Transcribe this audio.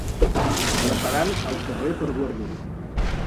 Preparant el carrer per guarnir.